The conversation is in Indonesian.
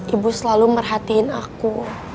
ibu selalu merhatiin aku